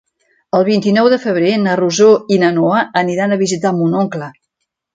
El vint-i-nou de febrer na Rosó i na Noa aniran a visitar mon oncle.